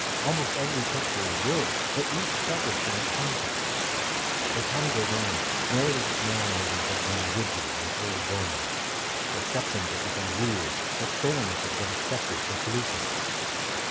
Almost every picture is good, but each suffers from its context. As time goes on, Meredith's mannerisms have grown rigid, like old bones. Exceptions have become rules, experiments have been accepted for solutions.